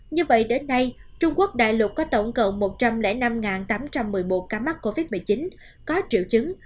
như vậy đến nay trung quốc đại lục có tổng cộng một trăm linh năm tám trăm một mươi một ca mắc covid một mươi chín có triệu chứng